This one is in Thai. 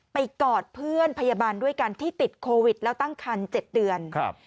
กอดเพื่อนพยาบาลด้วยกันที่ติดโควิดแล้วตั้งคัน๗เดือนครับ